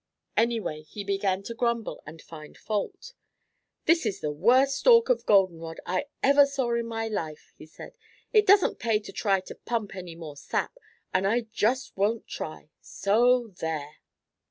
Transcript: Anyway, he began to grumble and find fault. "This is the worst stalk of golden rod I ever saw in my life," he said. "It doesn't pay to try to pump any more sap, and I just won't try, so there!"